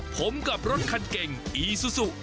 ผมกับรถคันเก่งอีซูซู